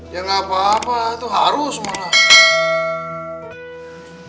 ya gak apa apa itu harus malah